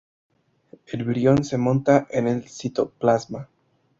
El virión se monta en el citoplasma.